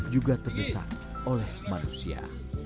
juga terdesak oleh manusia